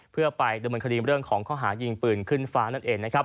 เพื่อไปดำเนินคดีเรื่องของข้อหายิงปืนขึ้นฟ้านั่นเองนะครับ